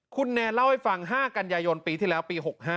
คุณแนนเล่าให้ฟัง๕กันยายนปีที่แล้วปี๖๕